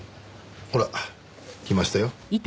ほら来ましたよ。